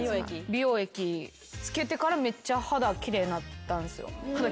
美容液付けてからめっちゃ肌奇麗になったんすよ。